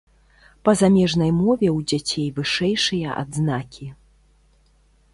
Па замежнай мове ў дзяцей вышэйшыя адзнакі.